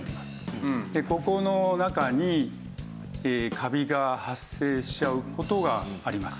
ここの中にカビが発生しちゃう事があります。